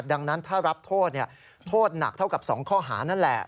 ดังนั้นถ้ารับโทษโทษหนักเท่ากับ๒ข้อหานั่นแหละ